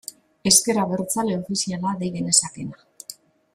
Ezker Abertzale ofiziala dei genezakeena.